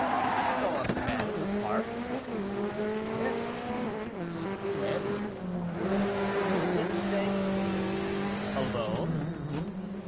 "You saw a man in the park?" "Yes." "When?" "Yesterday." "Alone?"